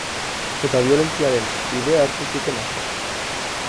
Eta biolentziaren bidea hartu zuten askok.